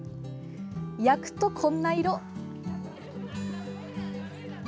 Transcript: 焼くと、こんな色。